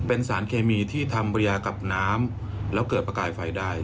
เป็นสารเคมีที่ทำเรียกับน้ำแล้วเกิดประกายไฟได้